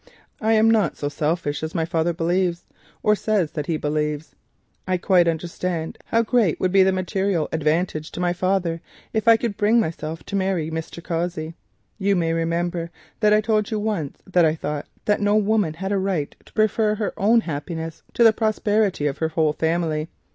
I am not so selfish as my father believes or says that he believes. I quite understand how great would be the material advantage to my father if I could bring myself to marry Mr. Cossey. You may remember I told you once that I thought no woman has a right to prefer her own happiness to the prosperity of her whole family.